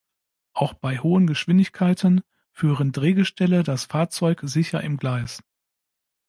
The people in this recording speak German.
Auch bei hohen Geschwindigkeiten führen Drehgestelle das Fahrzeug sicher im Gleis.